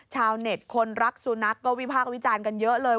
ชาวเน็ตคนรักสุนัขก็วิพากษ์วิจารณ์กันเยอะเลย